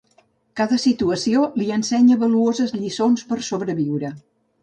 Cada situació li ensenya valuoses lliçons per sobreviure.